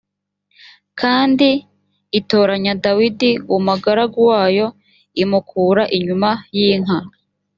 kandi itoranya dawidi umugaragu wayo imukura inyuma yinka